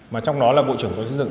mà trong đó là bộ trưởng bộ xây dựng